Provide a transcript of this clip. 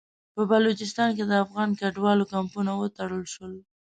په بلوچستان کې د افغان کډوالو کمپونه وتړل شول.